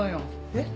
えっ？